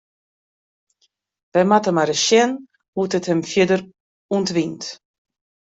Wy moatte mar ris sjen hoe't it him fierder ûntwynt.